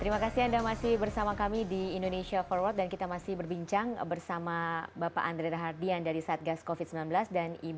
terima kasih anda masih bersama kami di indonesia forward dan kita masih berbincang bersama bapak andri rahardian dari satgas covid sembilan belas dan ibu mas dalena pane epidemiolog